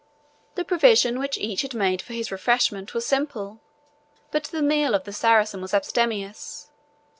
The provision which each had made for his refreshment was simple, but the meal of the Saracen was abstemious.